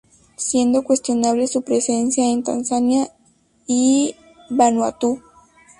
Siendo cuestionable su presencia en Tanzania y Vanuatu.